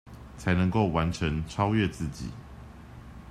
才能夠完成、超越自己